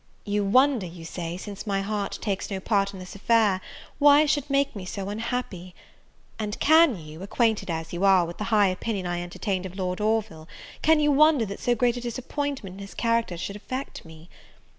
You wonder, you say, since my heart takes no part in this affair, why it should make me so unhappy? And can you, acquainted as you are with the high opinion I entertained of Lord Orville, can you wonder that so great a disappointment in his character should affect me?